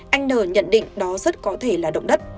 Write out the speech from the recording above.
anh n nhận định đó rất có thể là động đất